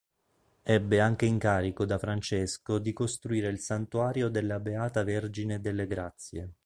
Ebbe anche incarico da Francesco di costruire il Santuario della Beata Vergine delle Grazie.